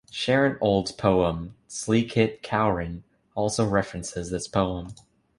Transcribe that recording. Sharon Olds's poem "Sleekit Cowrin'" also references this poem.